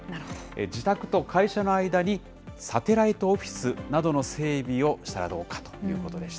自宅と会社の間に、サテライトオフィスなどの整備をしたらどうかということでした。